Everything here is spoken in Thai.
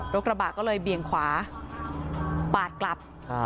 กระบะก็เลยเบี่ยงขวาปาดกลับ